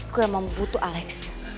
gue emang butuh alex